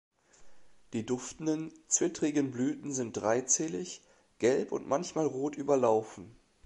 Die duftenden, zwittrigen Blüten sind dreizählig, gelb und manchmal rot überlaufen.